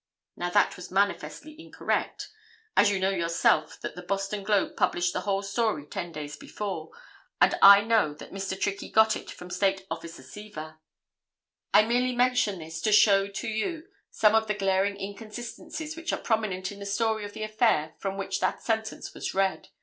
Now that was manifestly incorrect, as you know yourself that the Boston Globe published the whole story ten days before, and I know that Mr. Trickey got it from State Officer Seaver. I merely mention this to show to you some of the glaring inconsistencies which are prominent in the story of the affair from which that sentence was read.